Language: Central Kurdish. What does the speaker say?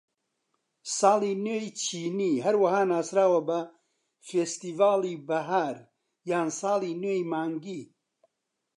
ساڵی نوێی چینی هەروەها ناسراوە بە فێستیڤاڵی بەهار یان ساڵی نوێی مانگی.